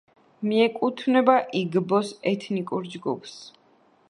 მიეკუთვნება იგბოს ეთნიკურ ჯგუფს.